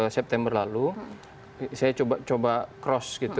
september lalu saya coba cross gitu